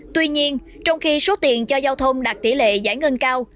tuy nhiên trong khi số tiền cho giao thông đạt tỷ lệ giải ngân cao